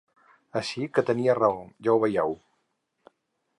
Així que tenia raó, ja ho veieu!